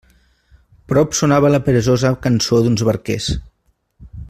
Prop sonava la peresosa cançó d'uns barquers.